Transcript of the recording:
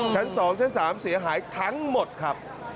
ชั้น๒ชั้น๓เสียหายทั้งหมดครับ